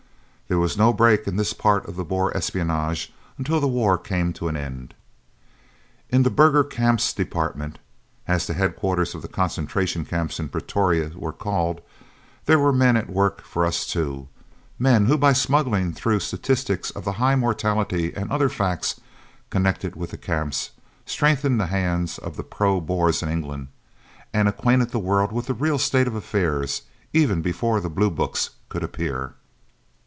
There was no break in this part of the Boer espionage until the war came to an end. In the Burgher Camps Department, as the head quarters of the Concentration Camps in Pretoria were called, there were men at work for us too, men who by smuggling through statistics of the high mortality and other facts connected with the Camps, strengthened the hands of the pro Boers in England and acquainted the world with the real state of affairs even before the Blue books could appear.